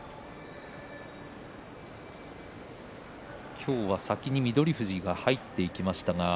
今日は先に翠富士が先に入っていきました。